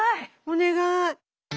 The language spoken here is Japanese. お願い。